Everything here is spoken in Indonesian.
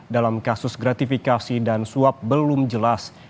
dalam kasus gratifikasi dan suap belum jelas